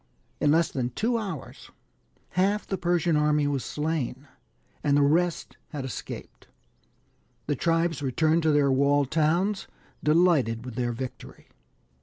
In less than two hours half the Persian army was slain, and the rest had escaped. The tribes returned to their walled towns, delighted with their victory.